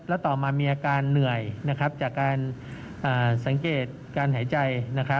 แล้วต่อมามีอาการเหนื่อยจากการสังเกตการหายใจ